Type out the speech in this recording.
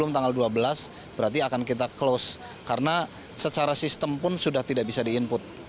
tanggal dua belas berarti akan kita close karena secara sistem pun sudah tidak bisa di input